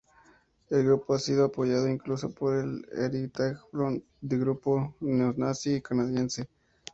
El grupo ha sido apoyado incluso por el Heritage Front, un grupo neonazi canadiense.